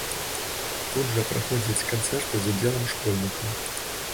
Тут жа праходзяць канцэрты з удзелам школьнікаў.